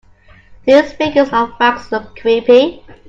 These figures of wax look creepy.